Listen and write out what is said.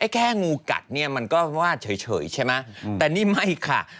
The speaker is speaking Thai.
แค่งูกัดเนี่ยมันก็วาดเฉยใช่ไหมแต่นี่ไม่ค่ะ